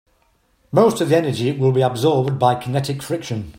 Most of the energy will be absorbed by kinetic friction.